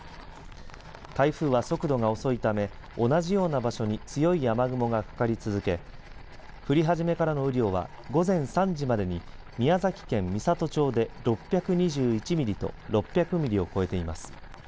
台風は速度が遅いため同じような場所に強い雨雲がかかり続け降り始めからの雨量は午前３時までに宮崎県美郷町で６２１ミリと６００ミリを超えています。